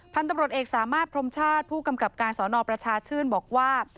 พันธุ์ตำรวจเอกสามารถพรมชาติผู้กำกับการสอนอประชาชื่นบอกว่า